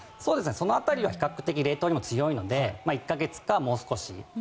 その辺りは比較的冷凍にも強いので１か月か、もう少し。